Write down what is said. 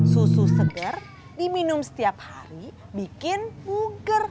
susu seger diminum setiap hari bikin buger